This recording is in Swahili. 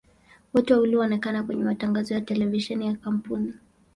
Wote wawili huonekana kwenye matangazo ya televisheni ya kampuni.